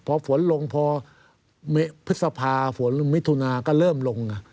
พอฝนลงพอพฤษภาฝนมิถุนาก็เริ่มลง